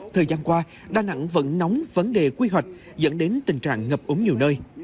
thời gian qua đà nẵng vẫn nóng vấn đề quy hoạch dẫn đến tình trạng ngập ống nhiều nơi